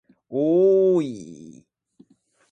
おおおいいいいいい